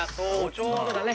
ちょうどだね。